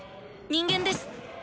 人間です。